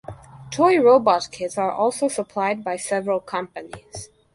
Toy robot kits are also supplied by several companies.